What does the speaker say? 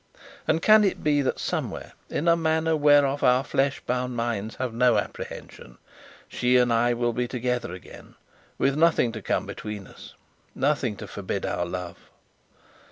And can it be that somewhere, in a manner whereof our flesh bound minds have no apprehension, she and I will be together again, with nothing to come between us, nothing to forbid our love?